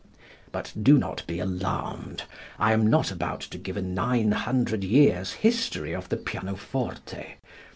But do not be alarmed. I am not about to give a nine hundred years' history of the pianoforte.